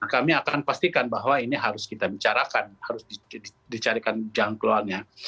kami akan pastikan bahwa ini harus kita bicarakan harus dicarikan jangkauannya